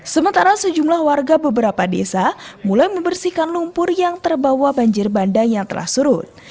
sementara sejumlah warga beberapa desa mulai membersihkan lumpur yang terbawa banjir bandang yang telah surut